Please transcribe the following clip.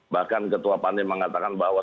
bahkan ketua pani mengatakan bahwa